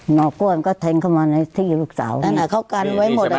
หนอกล้วนก็แทงเข้ามาในที่ลูกสาวนี้